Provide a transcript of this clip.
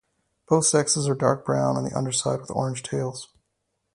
Both sexes are dark brown on the upperside with orange tails.